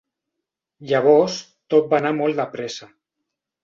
Llavors tot va anar molt de pressa.